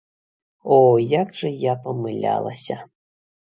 О, як жа я памылялася!